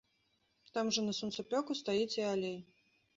Там жа на сонцапёку стаіць і алей.